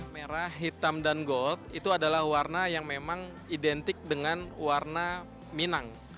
merah hitam dan gold itu adalah warna yang memang identik dengan warna minang